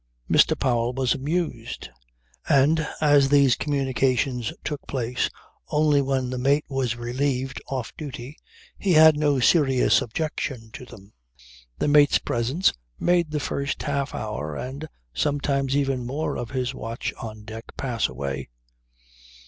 Mr. Powell was amused; and as these communications took place only when the mate was relieved off duty he had no serious objection to them. The mate's presence made the first half hour and sometimes even more of his watch on deck pass away.